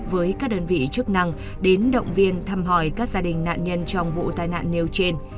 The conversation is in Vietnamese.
với các đơn vị chức năng đến động viên thăm hỏi các gia đình nạn nhân trong vụ tai nạn nêu trên